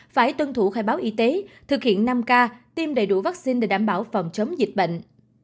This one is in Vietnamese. phải tuân thủ khai báo y tế thực hiện năm k tiêm đầy đủ vaccine để đảm bảo phòng chống dịch bệnh